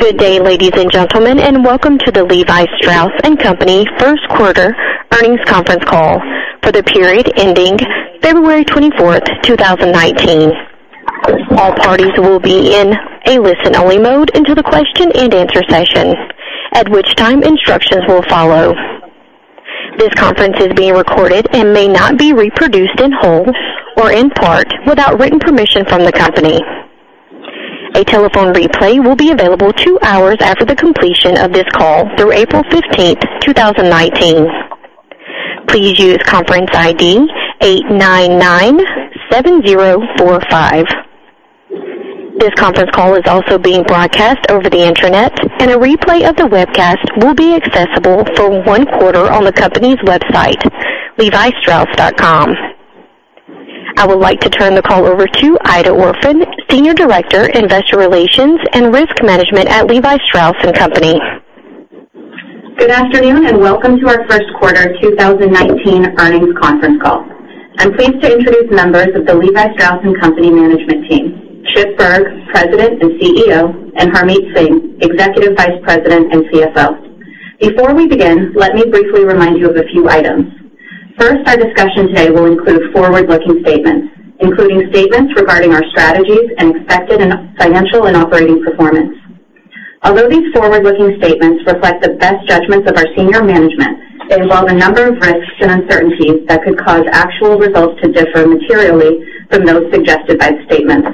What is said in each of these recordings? Good day, ladies and gentlemen, welcome to the Levi Strauss & Co. first quarter earnings conference call for the period ending February 24th, 2019. All parties will be in a listen-only mode until the question-and-answer session, at which time instructions will follow. This conference is being recorded and may not be reproduced in whole or in part without written permission from the company. A telephone replay will be available two hours after the completion of this call through April 15th, 2019. Please use conference ID 8997045. This conference call is also being broadcast over the internet, a replay of the webcast will be accessible for one quarter on the company's website, levistrauss.com. I would like to turn the call over to Aida Orphan, Senior Director, Investor Relations and Risk Management at Levi Strauss & Co. Good afternoon, welcome to our first quarter 2019 earnings conference call. I'm pleased to introduce members of the Levi Strauss & Co. management team, Chip Bergh, President and CEO, Harmit Singh, Executive Vice President and CFO. Before we begin, let me briefly remind you of a few items. First, our discussion today will include forward-looking statements, including statements regarding our strategies and expected financial and operating performance. Although these forward-looking statements reflect the best judgments of our senior management, they involve a number of risks and uncertainties that could cause actual results to differ materially from those suggested by the statements.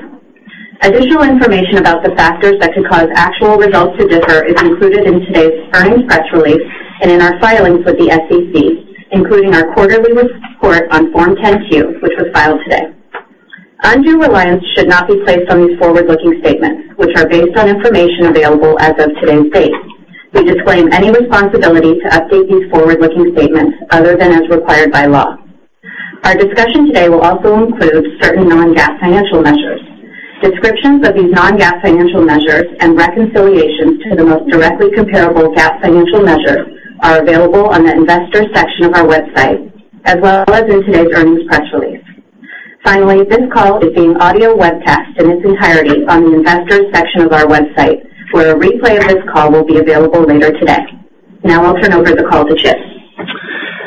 Additional information about the factors that could cause actual results to differ is included in today's earnings press release and in our filings with the SEC, including our quarterly report on Form 10-Q, which was filed today. Undue reliance should not be placed on these forward-looking statements, which are based on information available as of today's date. We disclaim any responsibility to update these forward-looking statements other than as required by law. Our discussion today will also include certain non-GAAP financial measures. Descriptions of these non-GAAP financial measures and reconciliations to the most directly comparable GAAP financial measures are available on the investor section of our website, as well as in today's earnings press release. Finally, this call is being audio webcast in its entirety on the investors section of our website, where a replay of this call will be available later today. Now I'll turn over the call to Chip.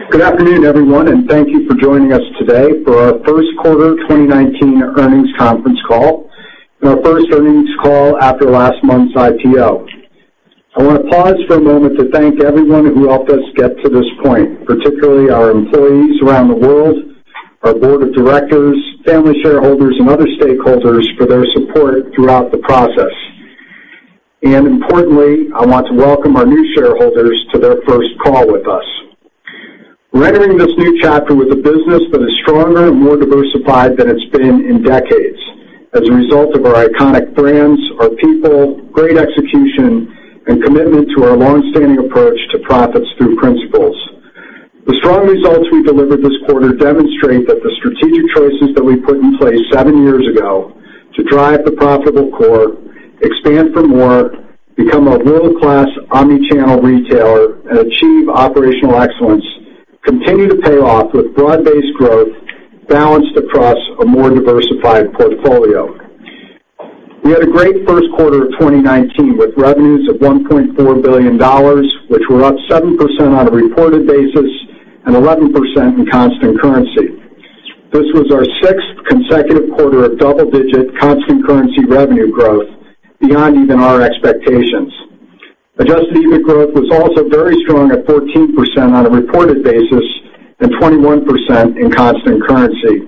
Good afternoon, everyone, thank you for joining us today for our first quarter 2019 earnings conference call and our first earnings call after last month's IPO. I want to pause for a moment to thank everyone who helped us get to this point, particularly our employees around the world, our board of directors, family shareholders, and other stakeholders for their support throughout the process. Importantly, I want to welcome our new shareholders to their first call with us. We're entering this new chapter with a business that is stronger and more diversified than it's been in decades as a result of our iconic brands, our people, great execution, and commitment to our longstanding approach to profits through principles. The strong results we delivered this quarter demonstrate that the strategic choices that we put in place seven years ago to drive the profitable core, expand for more, become a world-class omni-channel retailer, and achieve operational excellence, continue to pay off with broad-based growth balanced across a more diversified portfolio. We had a great first quarter of 2019 with revenues of $1.4 billion, which were up 7% on a reported basis and 11% in constant currency. This was our sixth consecutive quarter of double-digit constant currency revenue growth beyond even our expectations. adjusted EBIT growth was also very strong at 14% on a reported basis and 21% in constant currency.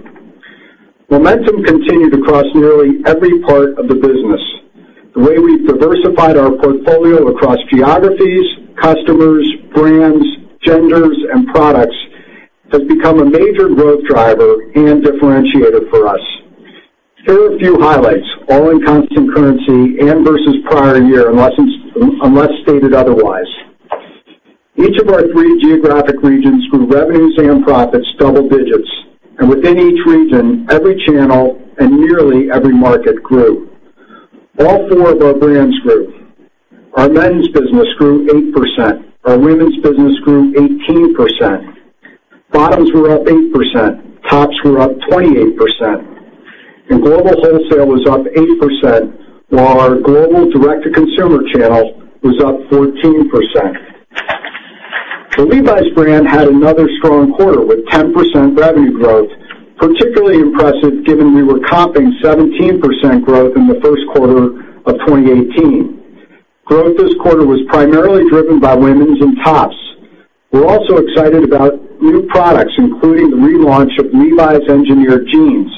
Momentum continued across nearly every part of the business. The way we've diversified our portfolio across geographies, customers, brands, genders, and products has become a major growth driver and differentiator for us. Here are a few highlights, all in constant currency and versus prior year, unless stated otherwise. Each of our three geographic regions grew revenues and profits double digits. Within each region, every channel and nearly every market grew. All four of our brands grew. Our men's business grew 8%, our women's business grew 18%. Bottoms were up 8%, tops were up 28%, and global wholesale was up 8%, while our global direct-to-consumer channel was up 14%. The Levi's brand had another strong quarter with 10% revenue growth, particularly impressive given we were comping 17% growth in the first quarter of 2018. Growth this quarter was primarily driven by women's and tops. We're also excited about new products, including the relaunch of Levi's Engineered Jeans,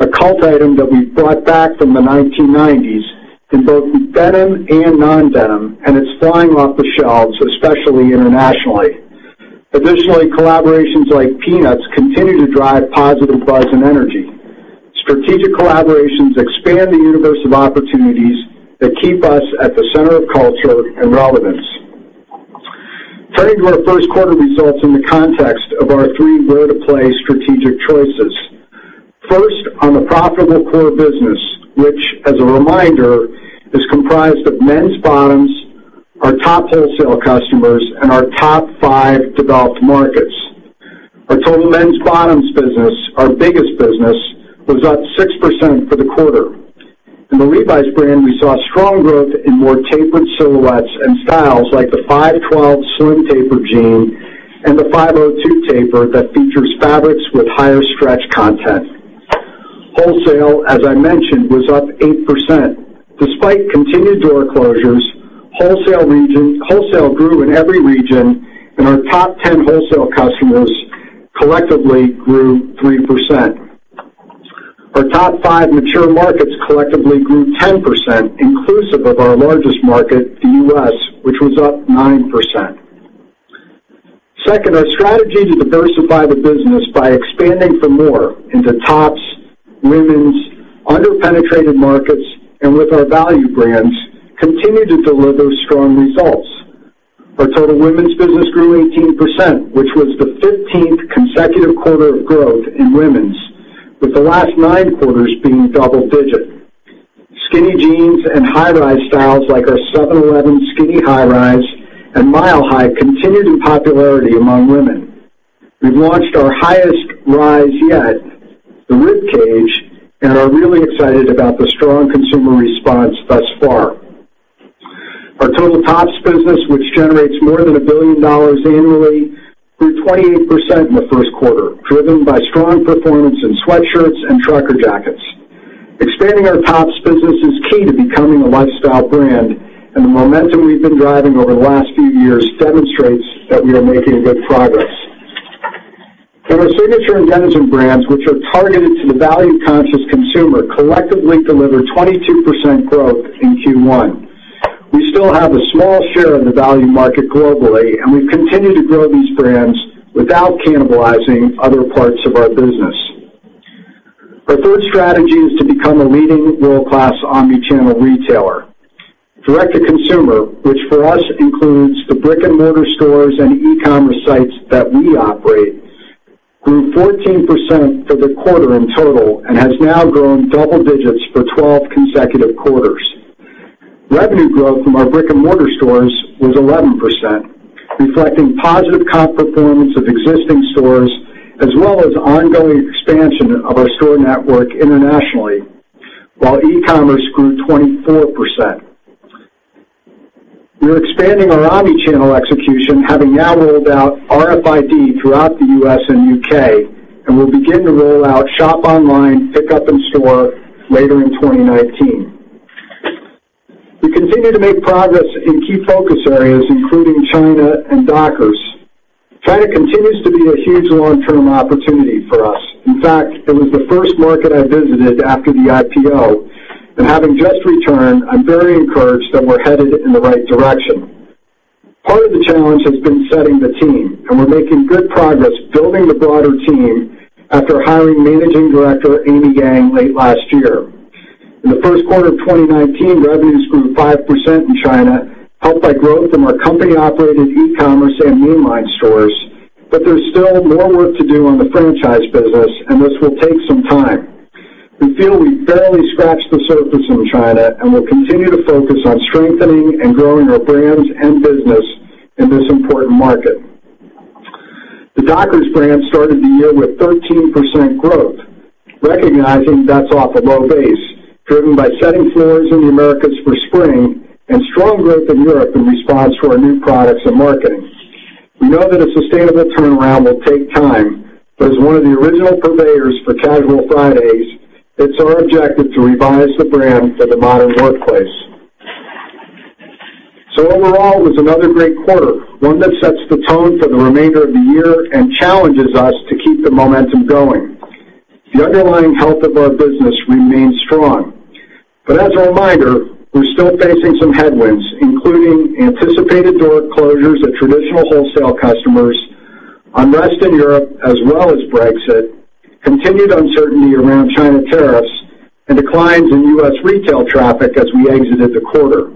a cult item that we brought back from the 1990s in both denim and non-denim, and it's flying off the shelves, especially internationally. Collaborations like Peanuts continue to drive positive buzz and energy. Strategic collaborations expand the universe of opportunities that keep us at the center of culture and relevance. Turning to our first quarter results in the context of our three where-to-play strategic choices. First, on the profitable core business, which as a reminder, is comprised of men's bottoms, our top wholesale customers, and our top five developed markets. Our total men's bottoms business, our biggest business, was up 6% for the quarter. In the Levi's brand, we saw strong growth in more tapered silhouettes and styles like the 512 Slim Taper jean and the 502 Taper that features fabrics with higher stretch content. Wholesale, as I mentioned, was up 8%. Despite continued door closures, wholesale grew in every region, and our top 10 wholesale customers collectively grew 3%. Our top five mature markets collectively grew 10%, inclusive of our largest market, the U.S., which was up 9%. Our strategy to diversify the business by expanding for more into tops, women's, under-penetrated markets, and with our value brands, continue to deliver strong results. Our total women's business grew 18%, which was the 15th consecutive quarter of growth in women's, with the last nine quarters being double digit. Skinny jeans and high rise styles like our 711 Skinny High Rise and Mile High continue to popularity among women. We've launched our highest rise yet, the Ribcage, and are really excited about the strong consumer response thus far. Our total tops business, which generates more than $1 billion annually, grew 28% in the first quarter, driven by strong performance in sweatshirts and trucker jackets. Expanding our tops business is key to becoming a lifestyle brand, the momentum we've been driving over the last few years demonstrates that we are making good progress. Our Signature and Denizen brands, which are targeted to the value-conscious consumer, collectively delivered 22% growth in Q1. We still have a small share in the value market globally, and we've continued to grow these brands without cannibalizing other parts of our business. Our third strategy is to become a leading world-class omni-channel retailer. Direct-to-consumer, which for us includes the brick-and-mortar stores and e-commerce sites that we operate, grew 14% for the quarter in total and has now grown double digits for 12 consecutive quarters. Revenue growth from our brick-and-mortar stores was 11%, reflecting positive comp performance of existing stores, as well as ongoing expansion of our store network internationally, while e-commerce grew 24%. We're expanding our omni-channel execution, having now rolled out RFID throughout the U.S. and U.K., and we'll begin to roll out shop online, pickup in store later in 2019. We continue to make progress in key focus areas, including China and Dockers. China continues to be a huge long-term opportunity for us. In fact, it was the first market I visited after the IPO, and having just returned, I'm very encouraged that we're headed in the right direction. Part of the challenge has been setting the team, and we're making good progress building the broader team after hiring Managing Director Amy Yang late last year. In the first quarter of 2019, revenues grew 5% in China, helped by growth from our company-operated e-commerce and mainline stores. There's still more work to do on the franchise business, and this will take some time. We feel we've barely scratched the surface in China, we'll continue to focus on strengthening and growing our brands and business in this important market. The Dockers brand started the year with 13% growth. Recognizing that's off a low base, driven by setting floors in the Americas for spring and strong growth in Europe in response to our new products and marketing. We know that a sustainable turnaround will take time. As one of the original purveyors for casual Fridays, it's our objective to revise the brand for the modern workplace. Overall, it was another great quarter, one that sets the tone for the remainder of the year and challenges us to keep the momentum going. The underlying health of our business remains strong. As a reminder, we're still facing some headwinds, including anticipated door closures of traditional wholesale customers, unrest in Europe, as well as Brexit, continued uncertainty around China tariffs, and declines in U.S. retail traffic as we exited the quarter.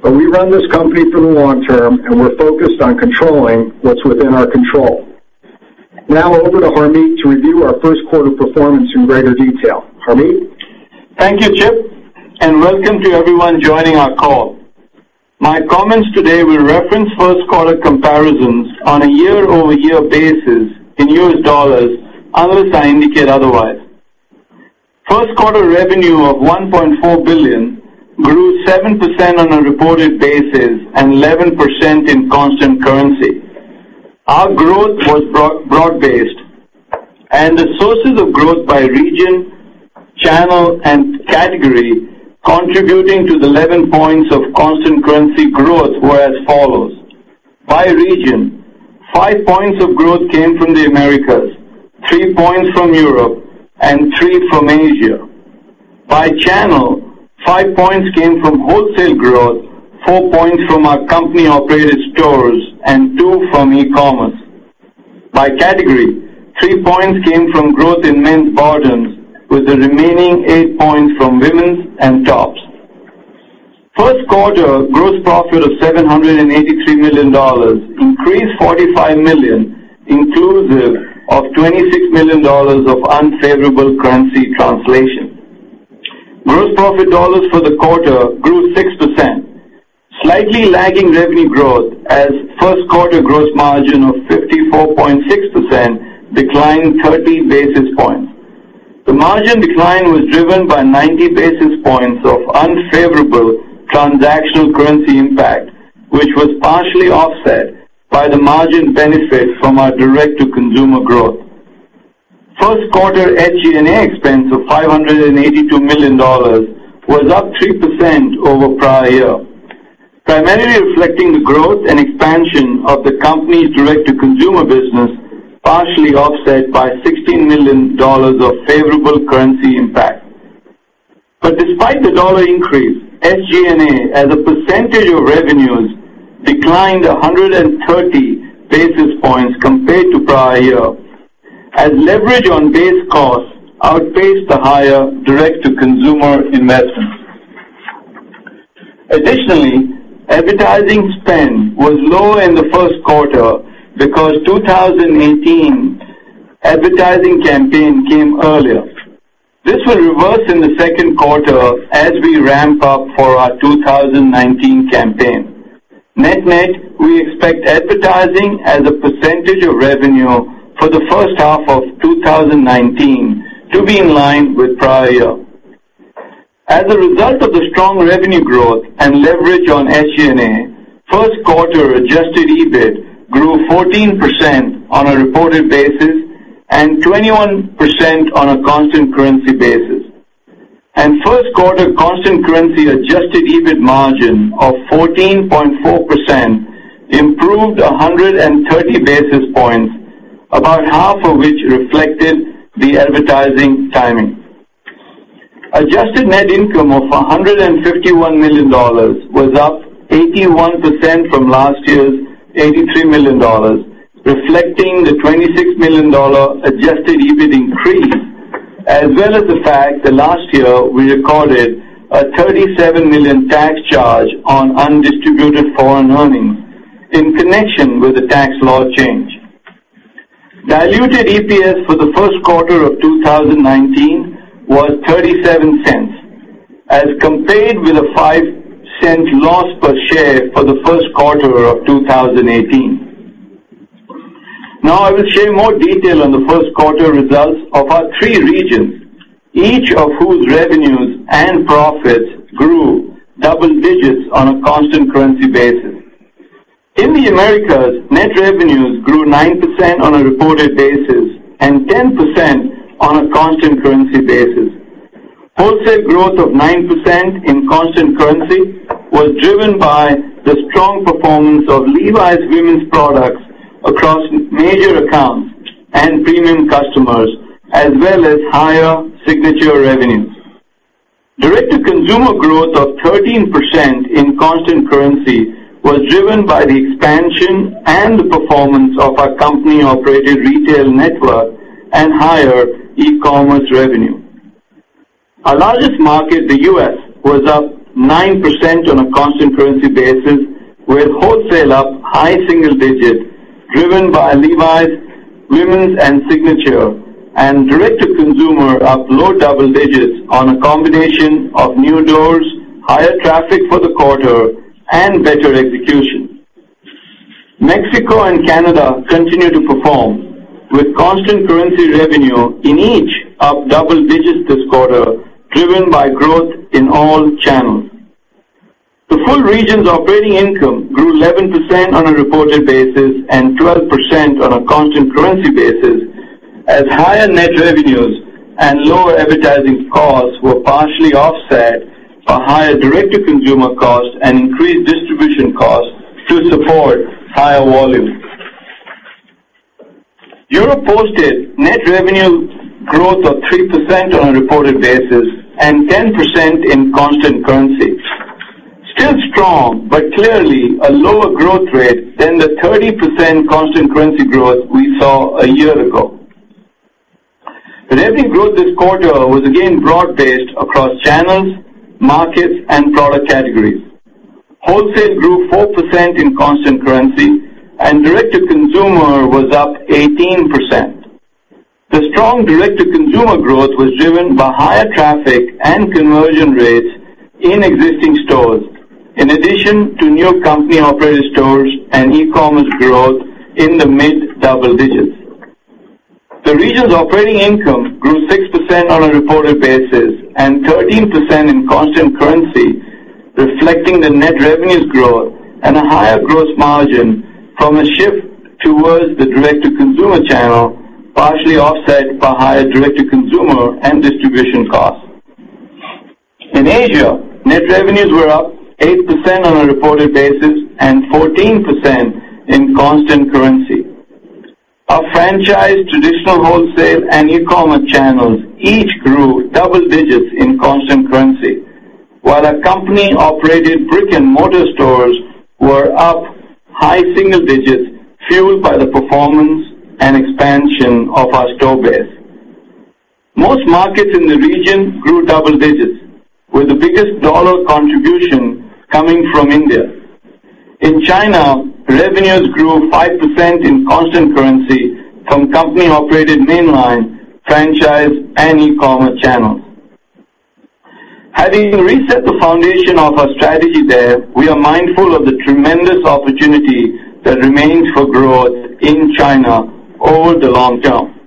We run this company for the long term, and we're focused on controlling what's within our control. Over to Harmit to review our first quarter performance in greater detail. Harmit? Thank you, Chip, and welcome to everyone joining our call. My comments today will reference first quarter comparisons on a year-over-year basis in U.S. dollars, unless I indicate otherwise. First quarter revenue of $1.4 billion grew 7% on a reported basis and 11% in constant currency. Our growth was broad-based, and the sources of growth by region, channel, and category contributing to the 11 points of constant currency growth were as follows. By region, five points of growth came from the Americas, three points from Europe, and three from Asia. By channel, five points came from wholesale growth, four points from our company-operated stores, and two from e-commerce. By category, three points came from growth in men's bottoms, with the remaining eight points from women's and tops. First quarter gross profit of $783 million increased $45 million, inclusive of $26 million of unfavorable currency translation. Gross profit dollars for the quarter grew 6%, slightly lagging revenue growth as first quarter gross margin of 54.6% declined 30 basis points. The margin decline was driven by 90 basis points of unfavorable transactional currency impact, which was partially offset by the margin benefit from our direct-to-consumer growth. First quarter SG&A expense of $582 million was up 3% over prior year, primarily reflecting the growth and expansion of the company's direct-to-consumer business, partially offset by $16 million of favorable currency impact. Despite the dollar increase, SG&A, as a percentage of revenues, declined 130 basis points compared to prior year, as leverage on base costs outpaced the higher direct-to-consumer investments. Additionally, advertising spend was low in the first quarter because 2018 advertising campaign came earlier. This will reverse in the second quarter as we ramp up for our 2019 campaign. Net-net, we expect advertising as a percentage of revenue for the first half of 2019 to be in line with prior year. As a result of the strong revenue growth and leverage on SG&A, first quarter adjusted EBIT grew 14% on a reported basis and 21% on a constant currency basis. First quarter constant currency adjusted EBIT margin of 14.4% improved 130 basis points, about half of which reflected the advertising timing. Adjusted net income of $151 million was up 81% from last year's $83 million, reflecting the $26 million adjusted EBIT increase, as well as the fact that last year we recorded a $37 million tax charge on undistributed foreign earnings in connection with the tax law change. Diluted EPS for the first quarter of 2019 was $0.37 as compared with a $0.05 loss per share for the first quarter of 2018. I will share more detail on the first quarter results of our three regions, each of whose revenues and profits grew double digits on a constant currency basis. In the Americas, net revenues grew 9% on a reported basis and 10% on a constant currency basis. Wholesale growth of 9% in constant currency was driven by the strong performance of Levi's women's products across major accounts and premium customers, as well as higher Signature revenues. Direct-to-consumer growth of 13% in constant currency was driven by the expansion and the performance of our company-operated retail network and higher e-commerce revenue. Our largest market, the U.S., was up 9% on a constant currency basis, with wholesale up high single digits driven by Levi's women's and Signature, and direct-to-consumer up low double digits on a combination of new doors, higher traffic for the quarter, and better execution. Mexico and Canada continue to perform with constant currency revenue in each up double digits this quarter, driven by growth in all channels. The full region's operating income grew 11% on a reported basis and 12% on a constant currency basis as higher net revenues and lower advertising costs were partially offset by higher direct-to-consumer costs and increased distribution costs to support higher volumes. Europe posted net revenue growth of 3% on a reported basis and 10% in constant currency. Still strong, but clearly a lower growth rate than the 30% constant currency growth we saw a year ago. Revenue growth this quarter was again broad-based across channels, markets, and product categories. Wholesale grew 4% in constant currency and direct-to-consumer was up 18%. The strong direct-to-consumer growth was driven by higher traffic and conversion rates in existing stores, in addition to new company-operated stores and e-commerce growth in the mid double digits. The region's operating income grew 6% on a reported basis and 13% in constant currency, reflecting the net revenues growth and a higher gross margin from a shift towards the direct-to-consumer channel, partially offset by higher direct-to-consumer and distribution costs. In Asia, net revenues were up 8% on a reported basis and 14% in constant currency. Our franchise, traditional wholesale, and e-commerce channels each grew double digits in constant currency, while our company-operated brick-and-mortar stores were up high single digits, fueled by the performance and expansion of our store base. Most markets in the region grew double digits, with the biggest dollar contribution coming from India. In China, revenues grew 5% in constant currency from company-operated mainline, franchise, and e-commerce channels. Having reset the foundation of our strategy there, we are mindful of the tremendous opportunity that remains for growth in China over the long term.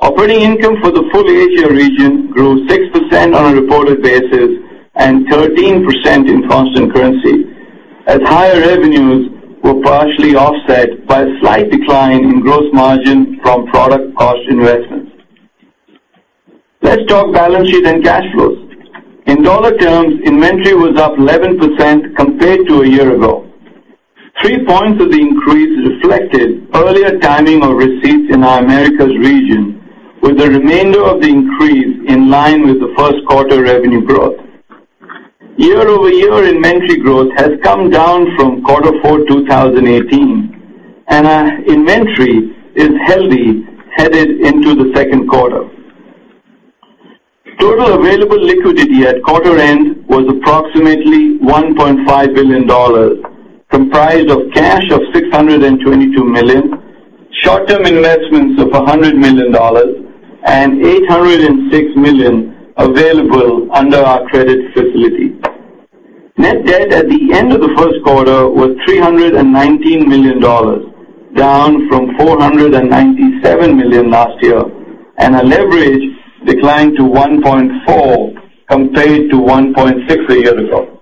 Operating income for the full Asia region grew 6% on a reported basis and 13% in constant currency, as higher revenues were partially offset by a slight decline in gross margin from product cost investments. Let's talk balance sheet and cash flows. In dollar terms, inventory was up 11% compared to a year ago. Three points of the increase reflected earlier timing of receipts in our Americas region, with the remainder of the increase in line with the first quarter revenue growth. Year-over-year inventory growth has come down from quarter four 2018, and our inventory is healthy headed into the second quarter. Total available liquidity at quarter end was approximately $1.5 billion, comprised of cash of $622 million, short-term investments of $100 million, and $806 million available under our credit facility. Net debt at the end of the first quarter was $319 million, down from $497 million last year, and our leverage declined to 1.4 compared to 1.6 a year ago.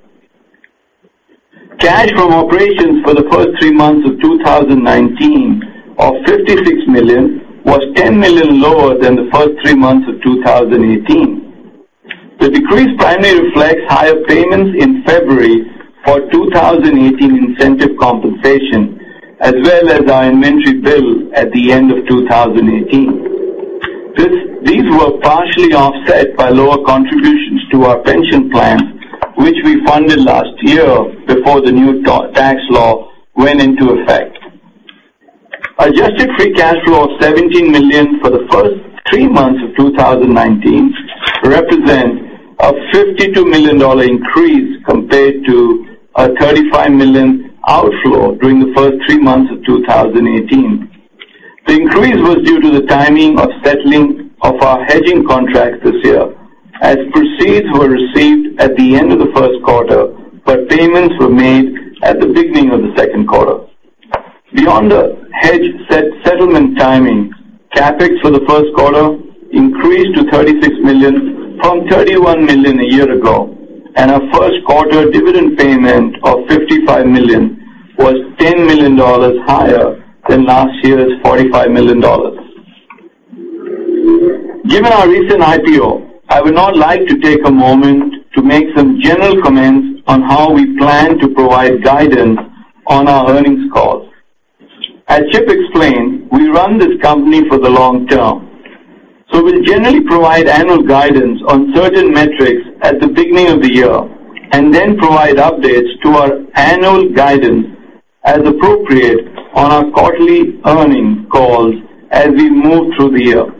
Cash from operations for the first three months of 2019, of $56 million, was $10 million lower than the first three months of 2018. The decrease primarily reflects higher payments in February for 2018 incentive compensation, as well as our inventory build at the end of 2018. These were partially offset by lower contributions to our pension plan, which we funded last year before the new tax law went into effect. Adjusted free cash flow of $17 million for the first three months of 2019 represent a $52 million increase, compared to a $35 million outflow during the first three months of 2018. The increase was due to the timing of settling of our hedging contract this year, as proceeds were received at the end of the first quarter, but payments were made at the beginning of the second quarter. Beyond the hedge settlement timing, CapEx for the first quarter increased to $36 million from $31 million a year ago, and our first quarter dividend payment of $55 million was $10 million higher than last year's $45 million. Given our recent IPO, I would now like to take a moment to make some general comments on how we plan to provide guidance on our earnings calls. As Chip Bergh explained, we run this company for the long term, so we'll generally provide annual guidance on certain metrics at the beginning of the year, and then provide updates to our annual guidance as appropriate on our quarterly earnings calls as we move through the year.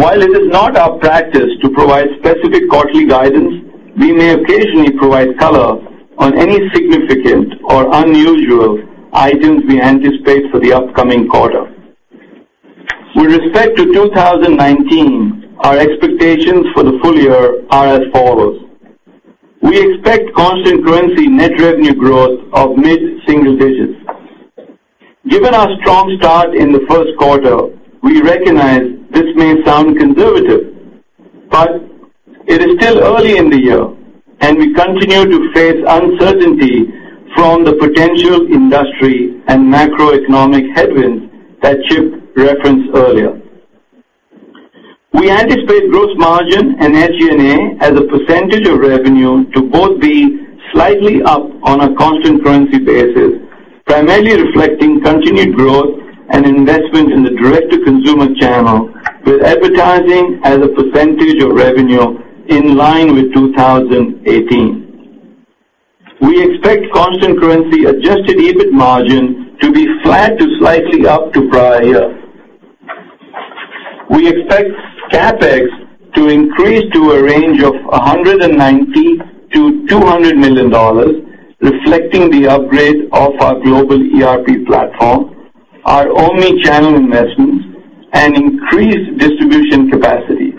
While it is not our practice to provide specific quarterly guidance, we may occasionally provide color on any significant or unusual items we anticipate for the upcoming quarter. With respect to 2019, our expectations for the full year are as follows. We expect constant currency net revenue growth of mid-single digits. Given our strong start in the first quarter, we recognize this may sound conservative, but it is still early in the year, and we continue to face uncertainty from the potential industry and macroeconomic headwinds that Chip Bergh referenced earlier. We anticipate gross margin and SG&A as a percentage of revenue to both be slightly up on a constant currency basis, primarily reflecting continued growth and investment in the direct-to-consumer channel, with advertising as a percentage of revenue in line with 2018. We expect constant currency adjusted EBIT margin to be flat to slightly up to prior year. We expect CapEx to increase to a range of $190 million-$200 million, reflecting the upgrade of our global ERP platform, our omni-channel investments, and increased distribution capacity.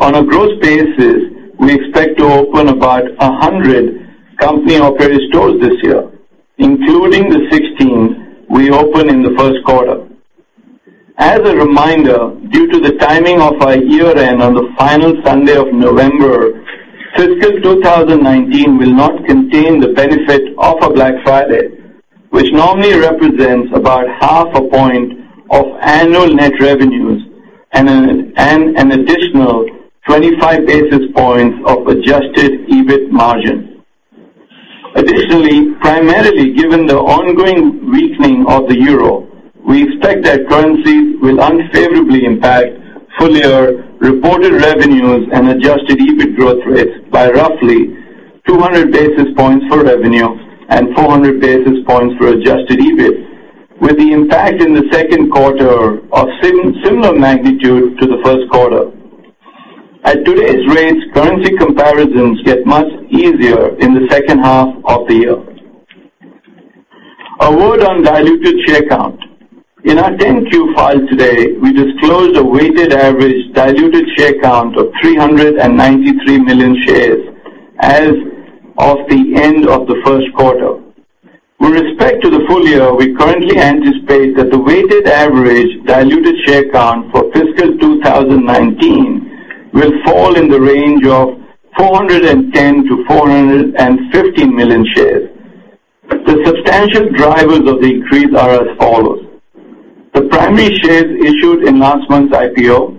On a gross basis, we expect to open about 100 company-operated stores this year, including the 16 we opened in the first quarter. As a reminder, due to the timing of our year-end on the final Sunday of November, fiscal 2019 will not contain the benefit of a Black Friday, which normally represents about half a point of annual net revenues and an additional 25 basis points of adjusted EBIT margin. Additionally, primarily given the ongoing weakening of the euro, we expect that currencies will unfavorably impact full-year reported revenues and adjusted EBIT growth rates by roughly 200 basis points for revenue and 400 basis points for adjusted EBIT, with the impact in the second quarter of similar magnitude to the first quarter. At today's rates, currency comparisons get much easier in the second half of the year. A word on diluted share count. In our 10-Q file today, we disclosed a weighted average diluted share count of 393 million shares as of the end of the first quarter. With respect to the full year, we currently anticipate that the weighted average diluted share count for fiscal 2019 will fall in the range of 410 million to 450 million shares. The substantial drivers of the increase are as follows. The primary shares issued in last month's IPO,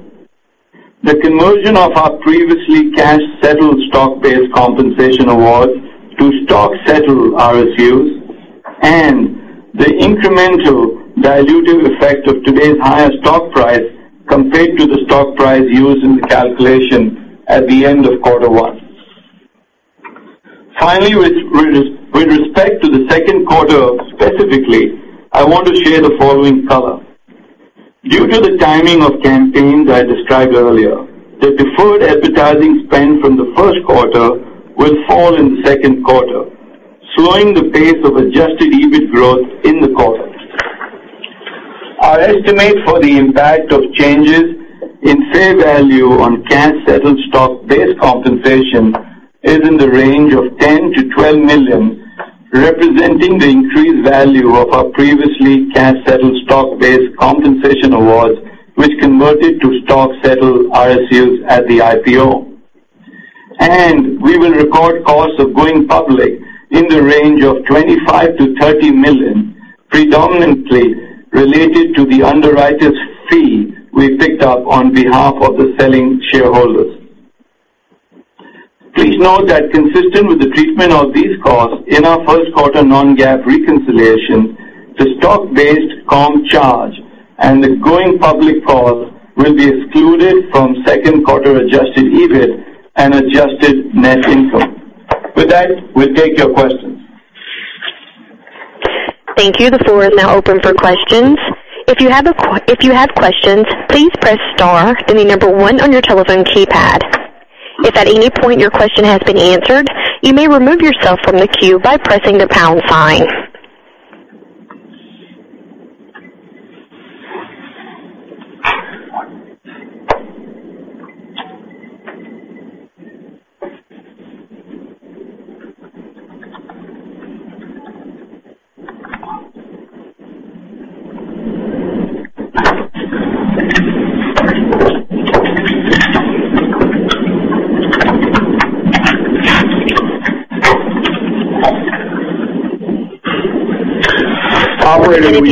the conversion of our previously cash-settled stock-based compensation award to stock-settled RSUs, and the incremental dilutive effect of today's higher stock price compared to the stock price used in the calculation at the end of quarter one. Finally, with respect to the second quarter specifically, I want to share the following color. Due to the timing of campaigns I described earlier, the deferred advertising spend from the first quarter will fall in the second quarter, slowing the pace of adjusted EBIT growth in the quarter. Our estimate for the impact of changes in fair value on cash-settled stock-based compensation is in the range of $10 million-$12 million, representing the increased value of our previously cash-settled stock-based compensation awards, which converted to stock-settled RSUs at the IPO. We will record costs of going public in the range of $25 million-$30 million, predominantly related to the underwriter's fee we picked up on behalf of the selling shareholders. Please note that consistent with the treatment of these costs in our first quarter non-GAAP reconciliation, the stock-based comp charge and the going public cost will be excluded from second quarter adjusted EBIT and adjusted net income. With that, we'll take your questions. Thank you. The floor is now open for questions. If you have questions, please press star then the number one on your telephone keypad. If at any point your question has been answered, you may remove yourself from the queue by pressing the pound sign.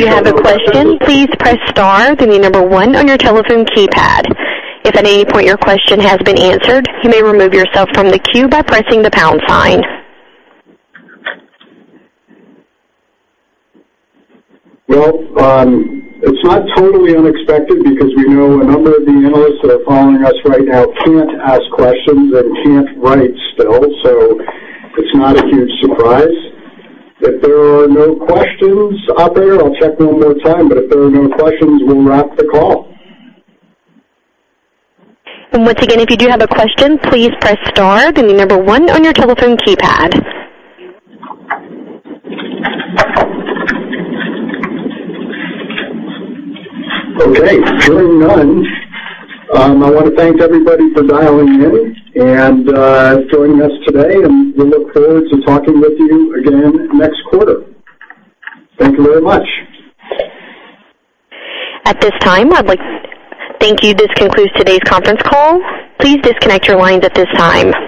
Operator, do we have. If you have a question, please press star, then the number one on your telephone keypad. If at any point your question has been answered, you may remove yourself from the queue by pressing the pound sign. Well, it's not totally unexpected because we know a number of the analysts that are following us right now can't ask questions and can't write still, so it's not a huge surprise. If there are no questions out there, I'll check one more time, but if there are no questions, we'll wrap the call. Once again, if you do have a question, please press star, then the number one on your telephone keypad. Okay. Hearing none. I want to thank everybody for dialing in and joining us today, and we look forward to talking with you again next quarter. Thank you very much. At this time, I'd like to thank you. This concludes today's conference call. Please disconnect your lines at this time.